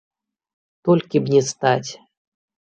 Толькі б не стаць!